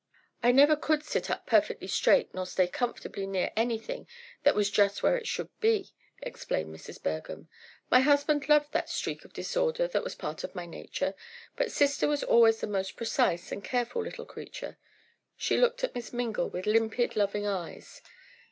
"I never could sit up perfectly straight nor stay comfortably near anything that was just where it should be," explained Mrs. Bergham. "My husband loved that streak of disorder that was part of my nature, but sister was always the most precise and careful little creature." She looked at Miss Mingle with limpid, loving eyes.